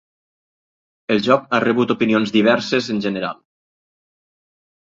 El joc ha rebut opinions diverses en general.